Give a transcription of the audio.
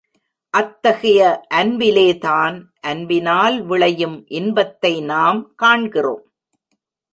அத்தகைய அன்பிலேதான் அன்பினால் விளையும் இன்பத்தை நாம் காண்கிறோம்.